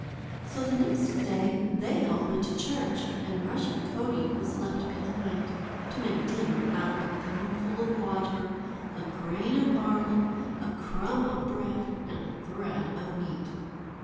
So the next day they all went to church, and Rushen Coatie was left behind, to make dinner out of a thimbleful of water, a grain of barley, a crumb of bread, and a thread of meat.